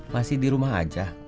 masih di rumah aja